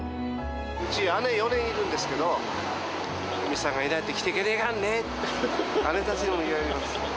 うち、姉、４人いるんですけれども、いないと、生きていけないからねって、姉たちにも言われます。